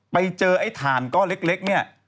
ไปเจอไอ้ฐานก็เล็กนี่